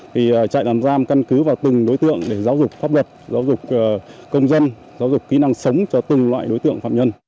thì chạy làm giam căn cứ vào từng đối tượng để giáo dục pháp luật giáo dục công dân giáo dục kỹ năng sống cho từng loại đối tượng phạm nhân